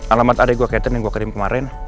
alamat adik gue catherine yang gue kirim kemarin